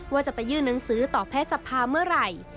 ว่าจะไปยื่นหนังสือต่อแพทย์สภาเมื่อไหร่